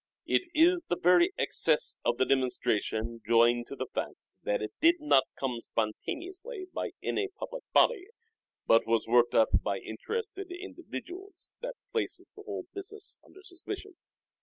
It is the very excess of the demonstration joined to the fact that it did not come spontaneously from any public body but was worked up by interested individuals that places the whole business under suspicion.